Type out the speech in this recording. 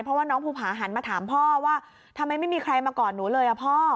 เพราะว่าน้องภูผาหันมาถามพ่อว่าทำไมไม่มีใครมากอดหนูเลยอ่ะพ่อ